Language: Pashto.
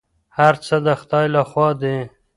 هر څه د خدای لخوا دي.